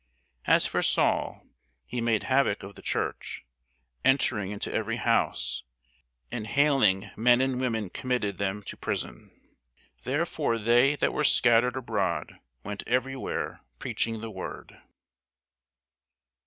As for Saul, he made havock of the church, entering into every house, and haling men and women committed them to prison. Therefore they that were scattered abroad went every where preaching the word.